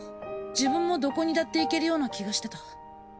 自分もどこにだって行けるような気がしてた